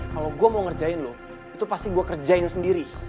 kalau gue mau ngerjain loh itu pasti gue kerjain sendiri